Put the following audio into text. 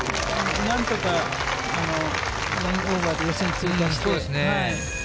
なんとか１オーバーで予選通過して。